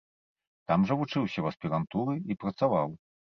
Там жа вучыўся ў аспірантуры і працаваў.